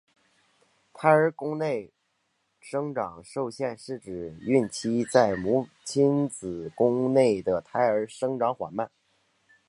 胎儿宫内生长受限是指孕期在母亲子宫内的胎儿生长缓慢。